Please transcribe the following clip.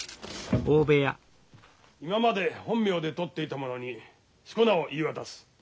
今まで本名で取っていた者に四股名を言い渡す。